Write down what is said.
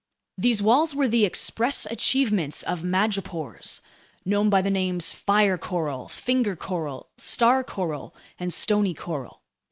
These walls were the express achievements of madrepores known by the names fire coral, finger coral, star coral, and stony coral.